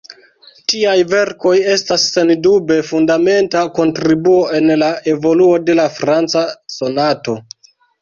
Tiaj verkoj estas sendube fundamenta kontribuo en la evoluo de la franca sonato.